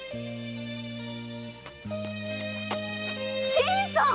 新さん！